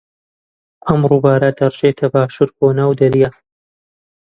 ئەم ڕووبارە دەڕژێتە باشوور بۆ ناو دەریا.